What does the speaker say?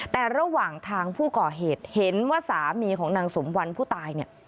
แต่ระหว่างทางผู้ก่อเหตุเห็นว่าสามีของนางสมวันผู้ตายเนี่ย